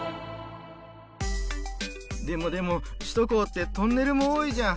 でもでも首都高ってトンネルも多いじゃん。